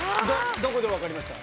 どこで分かりました？